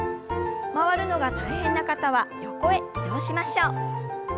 回るのが大変な方は横へ移動しましょう。